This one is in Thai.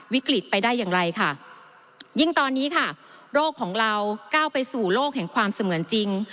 วิกฤตไปได้อย่างไรค่ะยิ่งตอนนี้ค่ะโรคของเราก้าวไปสู่โลกแห่งความเสมือนจริง